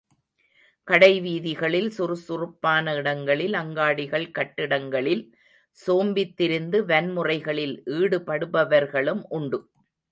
கடை வீதிகளில் சுறுசுறுப்பான இடங்களில் அங்காடிகள் கட்டிடங்களில் சோம்பித் திரிந்து வன்முறைகளில் ஈடுபடுபவர்களும் உண்டு.